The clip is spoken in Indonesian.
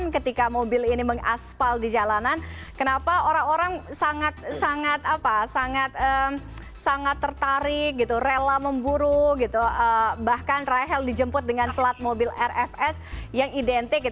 ketika mobil ini mengaspal di jalanan kenapa orang orang sangat tertarik rela memburu bahkan rahel dijemput dengan pelat mobil rfs yang identik